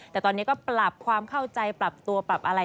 แต่ตอนนี้ก็ปรับความเข้าใจปรับตัวปรับอะไร